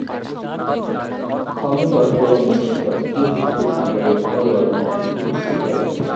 Khandakar Golam Mostafa school থেকেই সাংবাদিকতা ও রাজনৈতিক জীবন শুরু করেন।